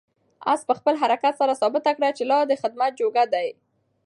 آس په خپل حرکت سره ثابته کړه چې لا د خدمت جوګه دی.